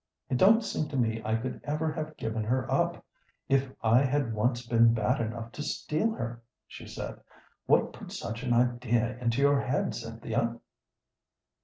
"It don't seem to me I could ever have given her up, if I had once been bad enough to steal her," she said. "What put such an idea into your head, Cynthia?"